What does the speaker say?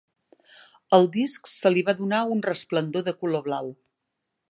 Al disc se li va donar un resplendor de color blau.